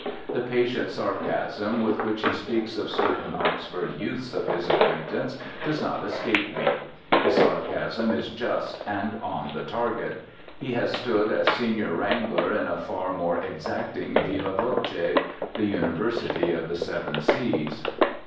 The patient sarcasm with which he speaks of certain Oxford youths of his acquaintance does not escape me. His sarcasm is just and on the target. He has stood as Senior Wrangler in a far more exacting viva voce—the University of the Seven Seas.